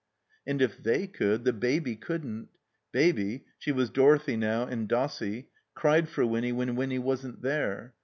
And if they could, the Baby couldn't. Baby (she was Dorothy now and Dossie) cried for Winny when Winny wasn't there.